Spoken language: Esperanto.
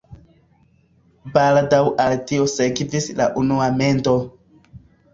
Baldaŭ al tio sekvis la unua mendo.